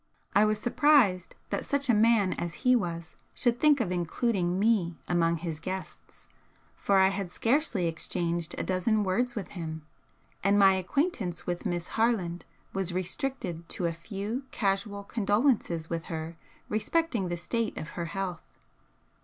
I was surprised that such a man as he was should think of including me among his guests, for I had scarcely exchanged a dozen words with him, and my acquaintance with Miss Harland was restricted to a few casual condolences with her respecting the state of her health.